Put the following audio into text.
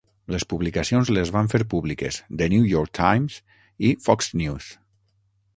Les publicacions les van fer públiques "The New York Times" i Fox News.